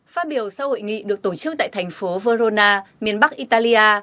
phát biểu sau hội nghị được tổ chức tại thành phố verona miền bắc italia